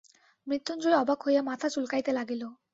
মৃত্যুঞ্জয় অবাক হইয়া মাথা চুলকাইতে লাগিল।